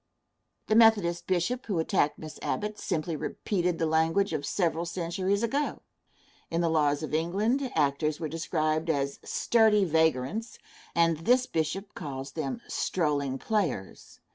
The Methodist bishop who attacked Miss Abbott simply repeated the language of several centuries ago. In the laws of England actors were described as "sturdy vagrants," and this bishop calls them "strolling players."